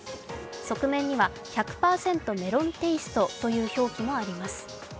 側面には１００％メロンテイストという表記もあります。